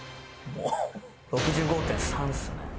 ６５．３ですね。